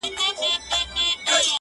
ځان دي هسي کړ ستومان په منډه منډه!!